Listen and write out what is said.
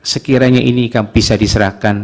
sekiranya ini akan bisa diserahkan